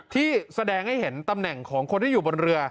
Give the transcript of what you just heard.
ที่แสดงให้เห็นตำแหน่งของคนที่อยู่บนเรือ